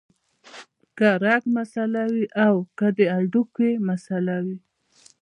کۀ رګ مسئله وي او کۀ د هډوکي مسئله وي